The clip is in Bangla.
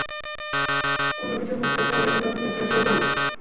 কোনো কিছু বুঝতে সহজ উদাহরণই শ্রেষ্ঠ উপায়।